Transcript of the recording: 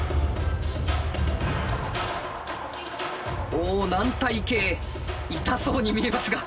お軟体系痛そうに見えますが。